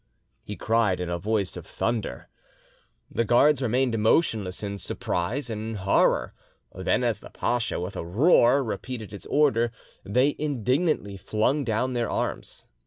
he cried in a voice of thunder. The guards remained motionless in surprise and horror, then as the pacha, with a roar, repeated his order, they indignantly flung down their arms.